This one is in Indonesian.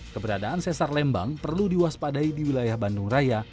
keberadaan sesar lembang perlu diwaspadai di wilayah bandung raya